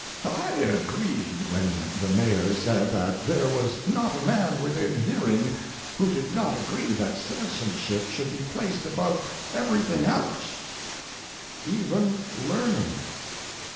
I agreed when the Mayor said that there was not a man within hearing who did not agree that citizenship should be placed above everything else, even learning.